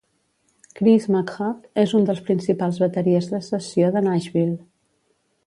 Chris McHugh és un dels principals bateries de sessió de Nashville.